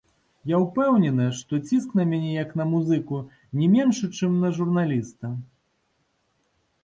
Я ўпэўнены, што ціск на мяне як на музыку не меншы, чым на журналіста.